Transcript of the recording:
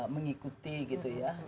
mengikuti gitu ya